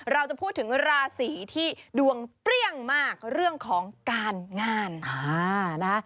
เราจะพูดถึงราศีที่ดวงเปรี้ยงมากเรื่องของการงาน